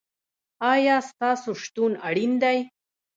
ایا ستاسو شتون اړین دی؟